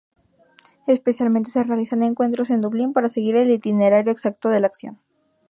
Especialmente se realizan encuentros en Dublín para seguir el itinerario exacto de la acción.